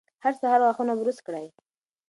هر سهار غاښونه برس کړئ.